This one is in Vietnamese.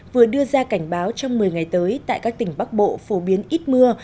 vừa đưa ra cảnh báo trong một mươi ngày tới tại các tỉnh bắc bộ phổ biến ít mưa